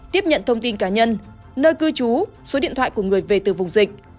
tiếp nhận thông tin cá nhân nơi cư trú số điện thoại của người về từ vùng dịch